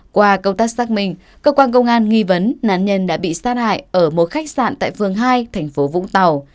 qua công tác xác minh cơ quan công an nghi vấn nạn nhân đã bị sát hại ở một khách sạn tại phường hai thành phố vũng tàu